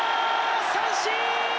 三振！